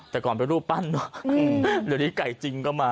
แต่ก่อนไปรูปปั้นเนอะเดี๋ยวนี้ไก่จริงก็มา